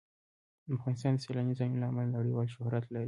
افغانستان د سیلاني ځایونو له امله نړیوال شهرت لري.